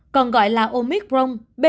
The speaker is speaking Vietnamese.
còn gọi là omicron